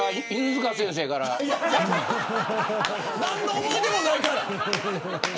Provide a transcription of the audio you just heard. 何の思い出もないから。